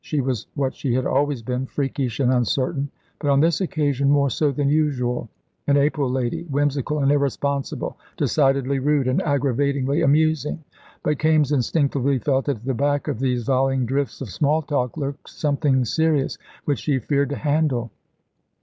She was what she had always been, freakish and uncertain; but on this occasion more so than usual. An April lady, whimsical and irresponsible, decidedly rude, and aggravatingly amusing. But Kaimes instinctively felt that at the back of these volleying drifts of smalltalk lurked something serious, which she feared to handle.